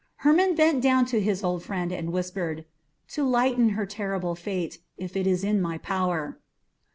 Hermon bent down to his old friend and whispered, "To lighten her terrible fate, if it is in my power."